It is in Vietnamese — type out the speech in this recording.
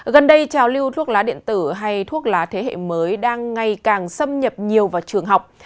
gần đây trào lưu thuốc lá điện tử hay thuốc lá thế hệ mới đang ngày càng xâm nhập nhiều vào trường học